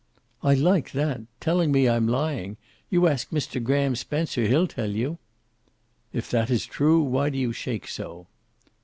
"I like that. Telling me I'm lying. You ask Mr. Graham Spencer. He'll tell you." "If that is true, why do you shake so?"